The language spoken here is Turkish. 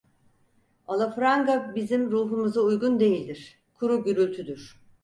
Alafranga bizim ruhumuza uygun değildir, kuru gürültüdür!